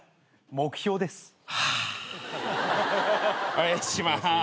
お願いします。